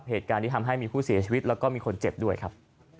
เหตุการณ์นี้ทำให้มีผู้เสียชีวิตแล้วก็มีคนเจ็บด้วยครับ